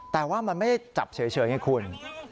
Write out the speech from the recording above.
แต่ว่ามันไม่จับเฉยอย่างนี้คุณ